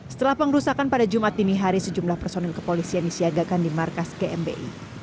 setelah pengrusakan pada jumat dini hari sejumlah personil kepolisi yang disiagakan di markas gmi